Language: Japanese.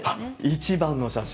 １番の写真？